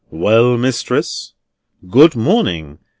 "Well, mistress. Good morning.